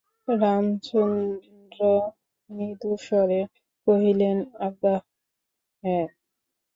রামচন্দ্র মৃদুস্বরে কহিলেন, আজ্ঞা হাঁ।